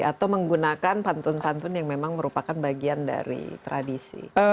atau menggunakan pantun pantun yang memang merupakan bagian dari tradisi